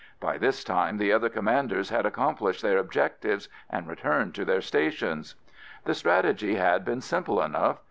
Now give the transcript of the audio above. By this time the other commanders had accomplished their objectives and returned to their stations. The strategy had been simple enough.